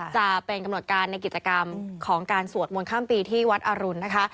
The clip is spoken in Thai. จะเป็นกำหนดการในกิจกรรมของการสวดมนต์ข้ามปีที่วัดอรุณนะคะ